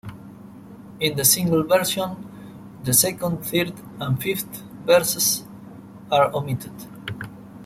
In the single version the second, third, and fifth verses are omitted.